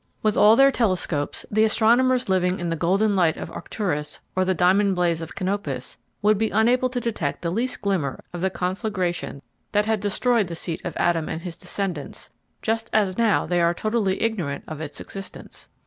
With all their telescopes, the astronomers living in the golden light of Arcturus or the diamond blaze of Canopus would be unable to detect the least glimmer of the conflagration that had destroyed the seat of Adam and his descendents, just as now they are totally ignorant of its existence.